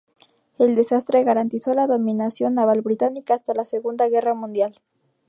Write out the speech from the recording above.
El desastre garantizó la dominación naval británica hasta la Segunda Guerra Mundial.